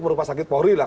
merupakan sakit pori lah